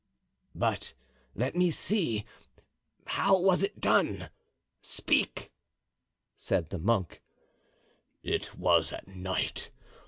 "But let me see, how was it done? Speak," said the monk. "It was at night.